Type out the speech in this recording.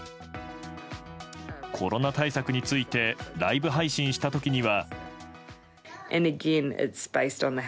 コロナ対策についてライブ配信した時には。